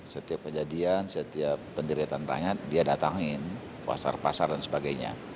setiap kejadian setiap penderitaan rakyat dia datangin pasar pasar dan sebagainya